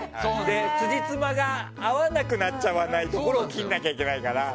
つじつまが合わなくなっちゃわないところを切らなきゃいけないから。